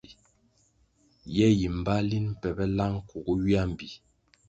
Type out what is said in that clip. Ye yi mbpa linʼ mpebe lang kugu ywia mbpi.